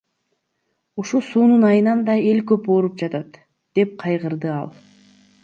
Ушу суунун айынан да эл көп ооруп жатат, — деп кайгырды ал.